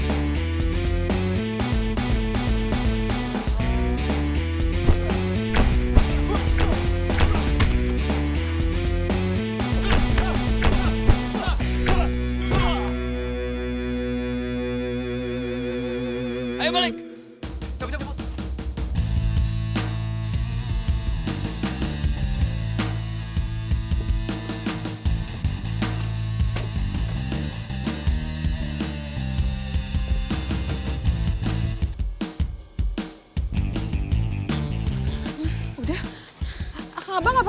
udah abah nggak apa apa